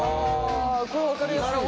これ分かりやすい。